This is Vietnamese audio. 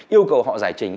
yêu cầu họ giải trình